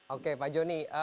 oke pak joni